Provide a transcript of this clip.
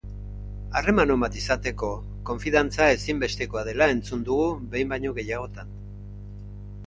Harreman on bat izateko, konfidantza ezinbestekoa dela entzun dugu behin baino gehiagotan.